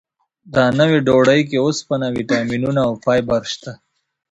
دا نوې ډوډۍ کې اوسپنه، ویټامینونه او فایبر شته.